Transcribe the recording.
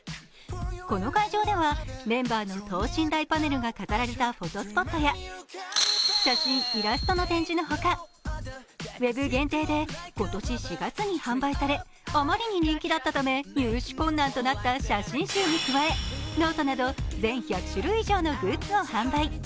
この会場ではメンバーの等身大パネルが飾られたフォトスポットや写真イラストの展示のほかＷＥＢ限定で今年４月に販売され、あまりの人気で入手困難になった写真集やノートなど全１００種類以上のグッズを販売。